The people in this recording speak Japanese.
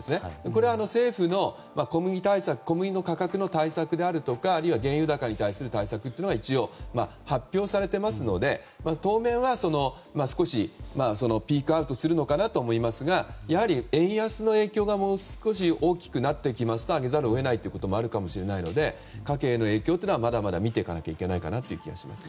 これは政府の小麦の価格の対策であるとかあるいは原油高に対する対策が一応、発表されていますので当面は少しピークアウトをするのかなと思いますがやはり円安の影響がもう少し大きくなってきますと上げざるを得ないということもあるかもしれないので家計への影響はまだまだ見ていかなければいけないのかなと思います。